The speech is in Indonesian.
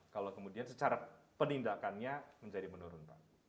kalau kemudian secara penindakannya menjadi menurun pak